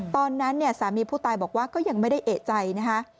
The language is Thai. ตอนนั้นเนี่ยสามีผู้ตายบอกว่าก็ยังไม่ได้เอกใจนะคะ